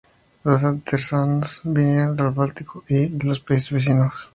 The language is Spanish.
Los artesanos vienen del Báltico y de los países vecinos.